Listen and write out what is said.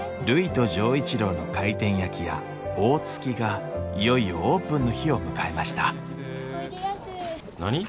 るいと錠一郎の回転焼き屋「大月」がいよいよオープンの日を迎えました何？